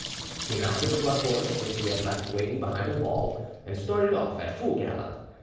He mounted a blood horse which he had left waiting behind a wall, and started off at full gallop.